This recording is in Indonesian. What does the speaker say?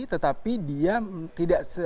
tetapi dia tidak